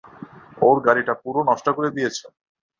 ওর গাড়িটা পুরো নষ্ট করে দিয়েছ?